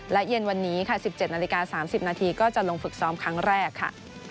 และเย็นวันนี้ค่ะ๑๗นาฬิกา๓๐นาทีก็จะลงฝึกซ้อมครั้งแรกค่ะ